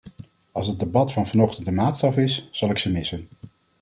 Als het debat van vanochtend de maatstaf is, zal ik ze missen!